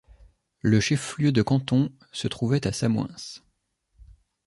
Le chef-lieu de canton se trouvait à Samoëns.